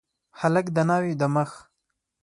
هلک د ناوي د مخ